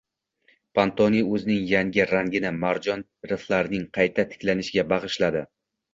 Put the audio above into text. Pantone o‘zining yangi rangini marjon riflarining qayta tiklanishiga bag‘ishladi